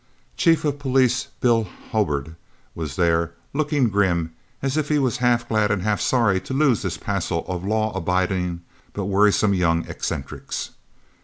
Chief of Police, Bill Hobard, was there, looking grim, as if he was half glad and half sorry to lose this passel of law abiding but worrisome young eccentrics.